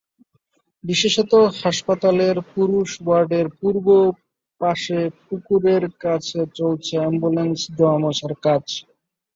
বিশেষত হাসপাতালের পুরুষ ওয়ার্ডের পূর্ব পাশে পুকুরের কাছে চলছে অ্যাম্বুলেন্স ধোয়ামোছার কাজ।